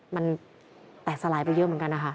มันแตกสลายไปเยอะเหมือนกันนะคะ